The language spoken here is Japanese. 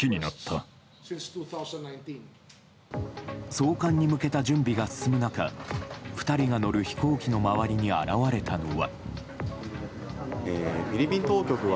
送還に向けた準備が進む中２人が乗る飛行機の周りに現れたのは。